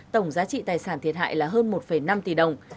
tổng giá trị tài sản thiệt hại là hơn một năm tỷ đồng